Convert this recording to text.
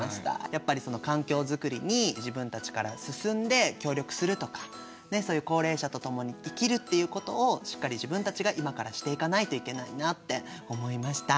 やっぱりその環境作りに自分たちから進んで協力するとかそういう高齢者とともに生きるっていうことをしっかり自分たちが今からしていかないといけないなって思いました。